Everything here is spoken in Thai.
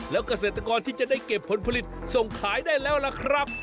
แล้วเกษตรกรที่จะได้เก็บผลผลิตส่งขายได้แล้วล่ะครับ